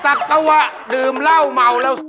สักกะวะดื่มเหล้าเมาแล้ว